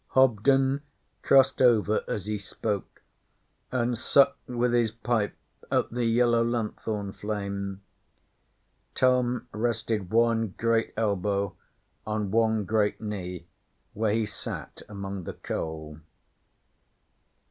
Hobden crossed over as he spoke, and sucked with his pipe at the yellow lanthorn flame. Tom rested one great elbow on one great knee, where he sat among the coal.